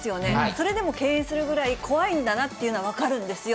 それでも敬遠するぐらい、怖いんだなというのが分かるんですよ。